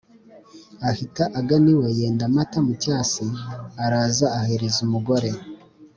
Ahita agana iwe, yenda amata mu cyansi, araza ahereza umugore